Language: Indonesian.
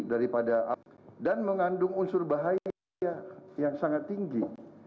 dan mengandung unsur bahaya yang sangat tinggi